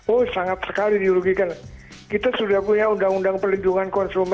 oh sangat sekali dirugikan kita sudah punya undang undang perlindungan konsumen